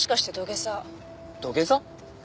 土下座？